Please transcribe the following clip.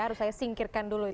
harus saya singkirkan dulu